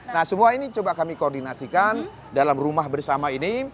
nah semua ini coba kami koordinasikan dalam rumah bersama ini